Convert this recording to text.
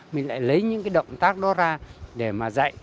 mình lại lấy những cái động tác đó ra để mà dạy